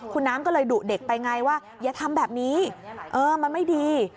คุณน้ำก็เลยดุเด็กไปไงว่าอย่าทำแบบนี้มันไม่ดี